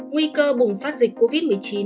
nguy cơ bùng phát dịch covid một mươi chín